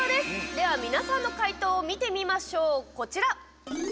では、皆さんの解答を見てみましょう、こちら。